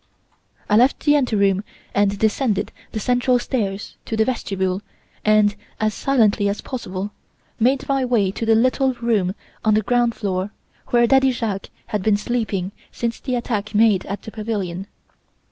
"I left the ante room and descended the central stairs to the vestibule and, as silently as possible, made my way to the little room on the ground floor where Daddy Jacques had been sleeping since the attack made at the pavilion.